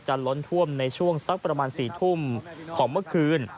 ล้นท่วมในช่วงสักประมาณ๔ทุ่มของเมื่อคืน